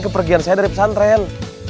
kepergian saya dari pesantren